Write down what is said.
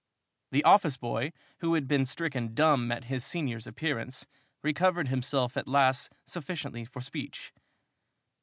The office boy, who had been stricken dumb at his senior's appearance, recovered himself at last sufficiently for speech.